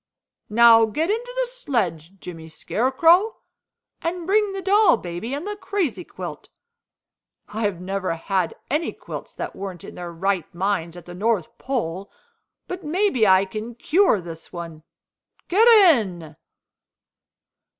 Now get into the sledge, Jimmy Scarecrow, and bring the doll baby and the crazy quilt. I have never had any quilts that weren't in their right minds at the North Pole, but maybe I can cure this one. Get in!"